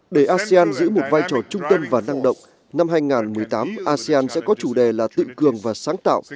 để asean giữ một vai trò trung tâm và năng động năm hai nghìn một mươi tám asean sẽ có chủ đề là tự cường và sáng tạo